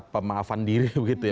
pemaafan diri begitu ya